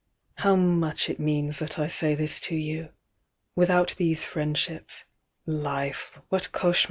How much it means that I say this to you Without these friendships life, what cauchemar!"